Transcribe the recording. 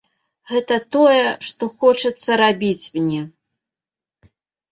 Гэта тое, што хочацца рабіць мне.